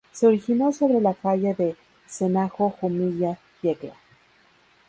Se originó sobre la Falla de Cenajo-Jumilla-Yecla.